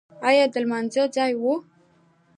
ایا د لمانځه ځای و؟